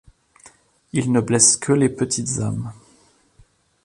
Ils ne blessent que les petites âmes.